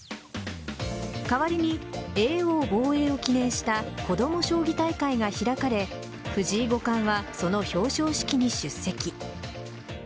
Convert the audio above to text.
代わりに叡王防衛を記念した子ども将棋大会が開かれ藤井五冠はその表彰式に出席。